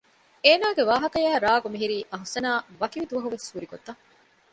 އޭނާގެ ވާހަކަޔާއި ރާގު މިހިރީ އަހުސަނާ ވަކިވި ދުވަހު ވެސް ހުރި ގޮތަށް